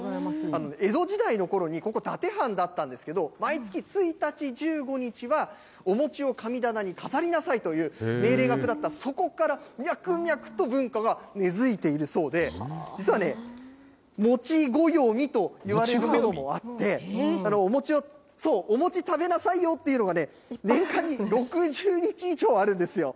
江戸時代のころに、ここ、伊達藩だったんですけど、毎月１日、１５日は、お餅を神棚に飾りなさいという命令が下った、そこから、脈々と文化が根づいているそうで、実はね、もち暦といわれるものもあって、お餅食べなさいよっていうのが、年間に６０日以上あるんですよ。